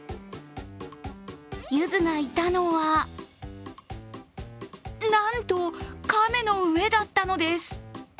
ユズがいたのは、なんと亀の上だったのです。